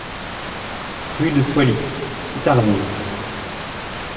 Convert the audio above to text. Rue de Poily, Outarville